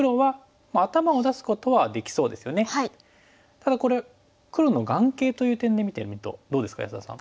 ただこれ黒の眼形という点で見てみるとどうですか安田さん。